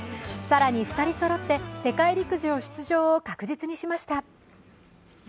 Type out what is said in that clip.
更に、２人そろって世界陸上出場を確実にしました。